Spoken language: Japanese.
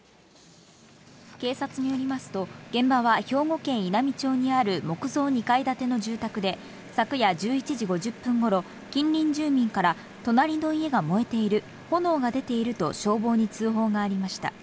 警察によりますと現場は兵庫県稲美町にある木造２階建ての住宅で、昨夜１１時５０分頃、近隣住民から隣の家が燃えている、炎が出ていると消防に通報がありました。